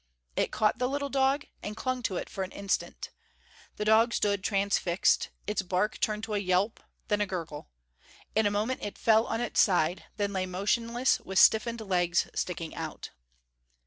It caught the little dog, and clung to it for an instant. The dog stood transfixed; its bark turned to a yelp; then a gurgle. In a moment it fell on its side; then lay motionless with stiffened legs sticking out.